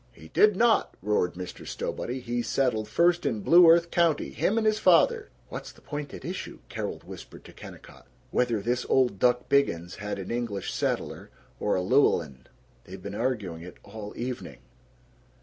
"He did not!" roared Mr. Stowbody. "He settled first in Blue Earth County, him and his father!" ("What's the point at issue?") Carol whispered to Kennicott. ("Whether this old duck Biggins had an English setter or a Llewellyn. They've been arguing it all evening!")